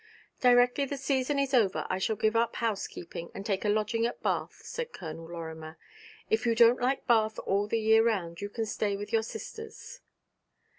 'Directly the season is over I shall give up housekeeping and take a lodging at Bath,' said Colonel Lorimer. 'If you don't like Bath all the year round you can stay with your sisters.'